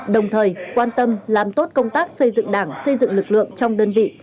đồng thời quan tâm làm tốt công tác xây dựng đảng xây dựng lực lượng trong đơn vị